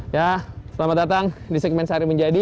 ya selamat datang di segmen sehari menjadi